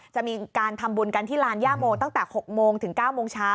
จะมีการทำบุญกันที่ลานย่าโมตั้งแต่๖โมงถึง๙โมงเช้า